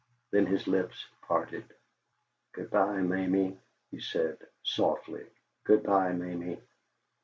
Then his lips parted. "Good bye, Mamie," he said, softly. "Goodbye, Mamie."